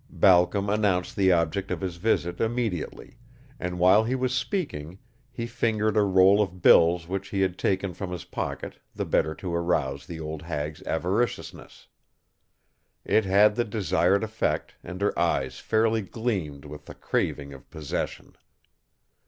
Balcom announced the object of his visit immediately, and while he was speaking he fingered a roll of bills which he had taken from his pocket the better to arouse the old hag's avariciousness. It had the desired effect and her eyes fairly gleamed with the craving of possession.